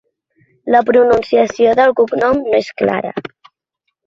La pronunciació del cognom no és clara.